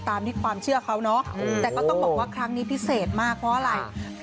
ความเชื่อเขาเนาะแต่ก็ต้องบอกว่าครั้งนี้พิเศษมากเพราะอะไร